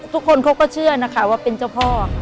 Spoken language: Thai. ทุกคนเขาก็เชื่อนะคะว่าเป็นเจ้าพ่อ